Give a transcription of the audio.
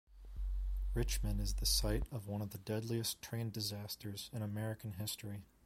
Richmond is the site of one of the deadliest train disasters in American history.